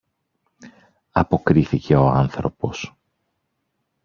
αποκρίθηκε ο άνθρωπος.